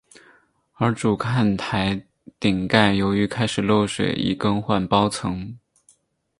而主看台顶盖由于开始漏水亦更换包层。